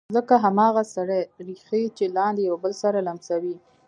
لکه هماغه سرې ریښې چې لاندې یو بل سره لمسوي